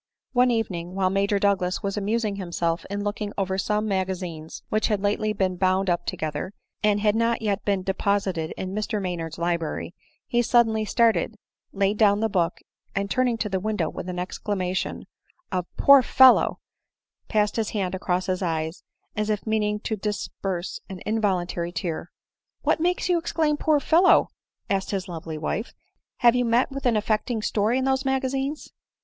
One evening, while Major Douglas was amusing him self in looking over some magazines which had lately been bound up together, and had not yet been deposited in Mr Maynard's library, he suddenly started, laid down the book, and turning to the window, with an exclama r*T ■I5W ADELINE MOWBRAY. 273 tion of —" Poor fellow !"— passed his hand across his eyes, as if meaning to disperse an involuntary tear. " What makes you exclaim * Poor fellow ?'" asked his his lovely wife ;" have you met with an affecting story in those magazines